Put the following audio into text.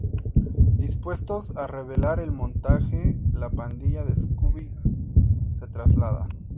Dispuestos a revelar el montaje, la pandilla de Scooby se traslada.